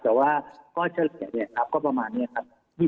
แต่ว่าก็จะแหละเนี่ยครับก็ประมาณเนี่ยครับ